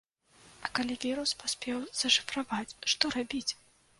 А калі вірус паспеў зашыфраваць, што рабіць?